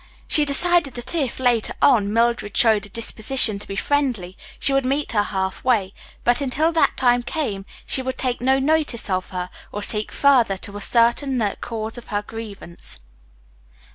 She decided that if, later on, Mildred showed a disposition to be friendly, she would meet her half way, but, until that time came, she would take no notice of her or seek further to ascertain the cause of her grievance.